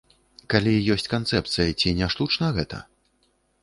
Калі ёсць канцэпцыя, ці не штучна гэта?